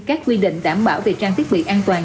các quy định đảm bảo về trang thiết bị an toàn